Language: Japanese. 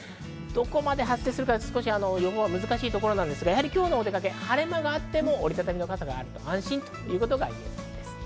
どこまで発生するかは予報が難しいところなんですが、今日のお出かけ、晴れ間があっても、折り畳みの傘があると安心ということがいえそうです。